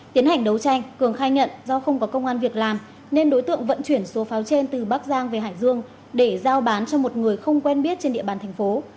tiến hành đấu tranh cường khai nhận do không có công an việc làm nên đối tượng vận chuyển số pháo trên từ bắc giang về hải dương để giao bán cho một người không quen biết trên địa bàn thành phố